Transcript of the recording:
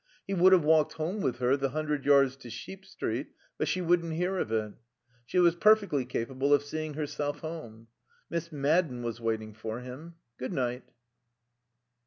He would have walked home with her the hundred yards to Sheep Street, but she wouldn't hear of it. She was perfectly capable of seeing herself home. Miss Madden was waiting for him. Good night.